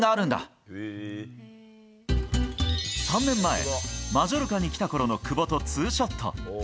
３年前、マジョルカに来たころの久保とツーショット。